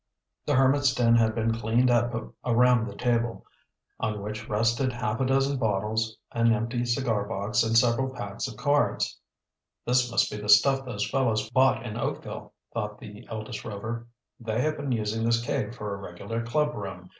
The hermit's den had been cleaned up around the table, on which rested half a dozen bottles, an empty cigar box, and several packs of cards. "This must be the stuff those fellows bought in Oakville," thought the eldest Rover. "They have been using this cave for a regular club room.